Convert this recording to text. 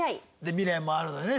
未練もあるのでね